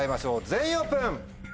全員オープン！